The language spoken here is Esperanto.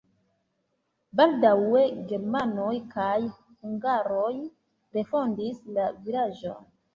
Baldaŭe germanoj kaj hungaroj refondis la vilaĝon.